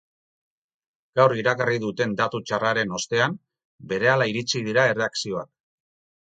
Gaur iragarri duten datu txarraren ostean, berehala iritsi dira erreakzioak.